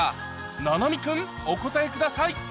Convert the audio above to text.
菜波君お答えください